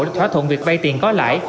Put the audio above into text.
được thỏa thuận việc bay tiền có lại